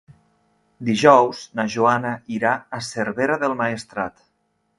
Dijous na Joana irà a Cervera del Maestrat.